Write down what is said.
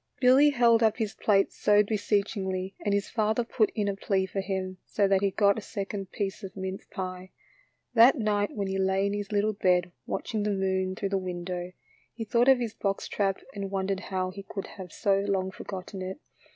Billy held up his plate so beseechingly and his father put in a plea for him, so that he got a second piece of mince pie. That night when he lay in his little bed watching the moon through the window, he thought of his box trap and wondered how he could have so long forgotten it.